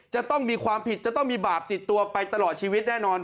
จะต้องมีความผิดจะต้องมีบาปติดตัวไปตลอดชีวิตแน่นอน